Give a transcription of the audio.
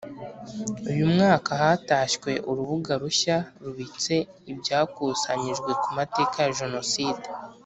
uyu mwaka hatashywe urubuga rushya rubitse ibyakusanyijwe ku mateka ya Jenoside